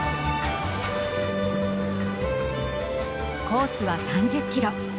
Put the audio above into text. コースは３０キロ。